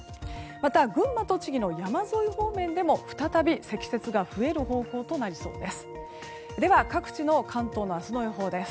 また、群馬、栃木の山沿い方面でも再び積雪が増える方向となりそうです。